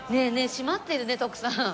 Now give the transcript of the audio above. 閉まってるね徳さん。